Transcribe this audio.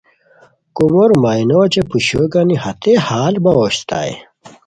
کومورو مینو اوچے پوشیو گانی ہتئے ہال باؤ اسیتائے